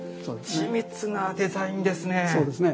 緻密なデザインですね。